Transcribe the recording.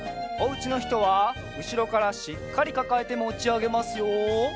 おうちのひとはうしろからしっかりかかえてもちあげますよ。